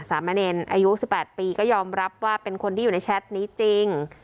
สามเณรอายุ๑๘ปีก็ยอมรับว่าเป็นคนที่อยู่ในแชทนี้จริง